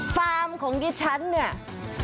ฟาร์มของดิฉันเนี่ย